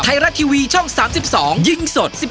ไทยรัฐทีวีช่อง๓๒ยิงสด